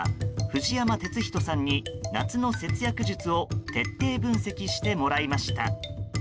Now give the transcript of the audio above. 藤山哲人さんに夏の節約術を徹底分析してもらいました。